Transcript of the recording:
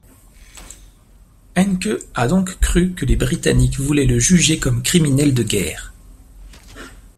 Henke a donc cru que les britanniques voulaient le juger comme criminel de guerre.